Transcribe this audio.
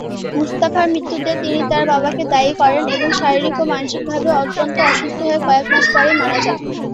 মুস্তাফার মৃত্যুতে তিনি তার বাবাকে দায়ী করেন এবং শারীরিক ও মানসিক ভাবে অত্যন্ত অসুস্থ হয়ে কয়েক মাস পরেই মারা যান।